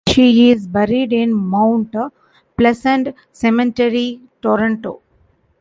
She is buried in Mount Pleasant Cemetery, Toronto.